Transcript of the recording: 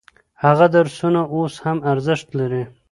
هغه درسونه اوس هم ارزښت لري.